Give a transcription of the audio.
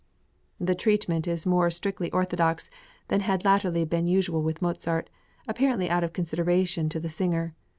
The treatment is more strictly orthodox than had latterly been usual with Mozart, apparently out of consideration to the singer.